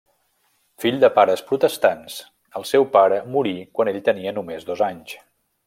Fill de pares protestants, el seu pare morí quan ell tenia només dos anys.